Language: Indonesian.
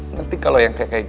nanti kalau yang kayak kayak gini